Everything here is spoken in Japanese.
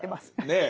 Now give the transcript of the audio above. ねえ。